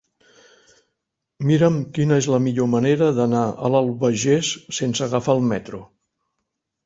Mira'm quina és la millor manera d'anar a l'Albagés sense agafar el metro.